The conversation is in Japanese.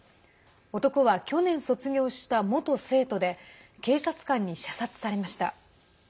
男は去年卒業した元生徒で警察官に射殺されました。